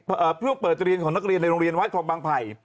เพื่อเปิดจริงของนักเรียนในโรงเรียนวัฒน์ของบางภัย